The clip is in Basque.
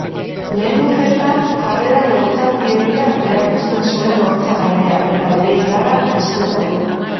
Lehen urteetan jarrera lotsatiegia erakusten zuen oholtza gainean eta bere indarra ezkutatu.